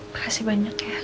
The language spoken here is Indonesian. makasih banyak ya pak